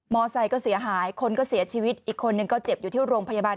ไซค์ก็เสียหายคนก็เสียชีวิตอีกคนนึงก็เจ็บอยู่ที่โรงพยาบาล